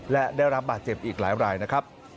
และได้รับบาดเจ็บอีกหลายรายนะครับ